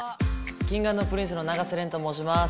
Ｋｉｎｇ＆Ｐｒｉｎｃｅの永瀬廉と申します。